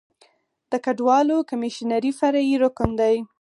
د کډوالو کمیشنري فرعي رکن دی.